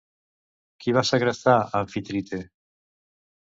Qui va segrestar Amfitrite?